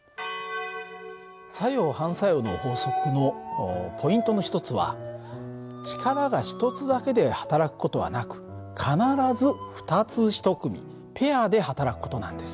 作用・反作用の法則のポイントの一つは力が１つだけではたらく事はなく必ず２つ１組ペアではたらく事なんです。